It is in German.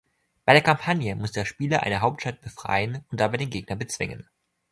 Bei der Kampagne muss der Spieler eine Hauptstadt befreien und dabei den Gegner bezwingen.